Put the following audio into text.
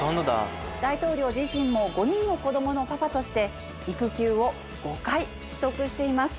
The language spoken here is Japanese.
大統領自身も５人の子供のパパとして育休を５回取得しています。